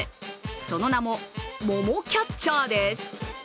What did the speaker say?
その名も桃キャッチャーです。